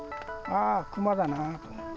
ああ、クマだなと。